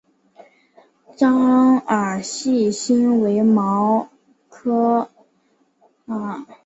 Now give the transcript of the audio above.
獐耳细辛为毛茛科獐耳细辛属下的一个变种。